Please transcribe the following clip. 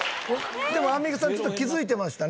でもアンミカさんちょっと気づいてましたね。